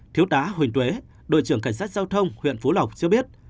thiếu tá huỳnh tuế đội trưởng cảnh sát giao thông huyện phú lộc cho biết